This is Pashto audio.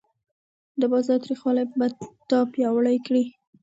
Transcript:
د بازار تریخوالی به تا پیاوړی کړي.